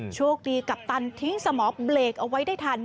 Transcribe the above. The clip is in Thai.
โชคดีกัปตันทิ้งสมอเบรกเอาไว้ได้ทัน